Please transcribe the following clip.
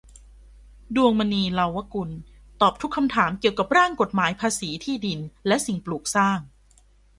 ดวงมณี เลาวกุล ตอบทุกคำถามเกี่ยวกับร่างกฎหมายภาษีที่ดินและสิ่งปลูกสร้าง